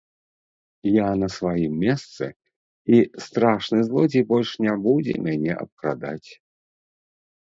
Я на сваім месцы, і страшны злодзей больш не будзе мяне абкрадаць!